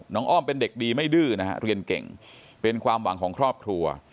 อ้อมเป็นเด็กดีไม่ดื้อนะฮะเรียนเก่งเป็นความหวังของครอบครัว